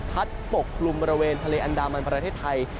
ปกลุ่มบริเวณทะเลอันดามันประเทศไทย